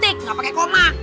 titik nggak pakai koma